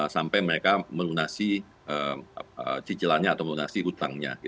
sampai mereka melunasi cicilannya atau melunasi hutangnya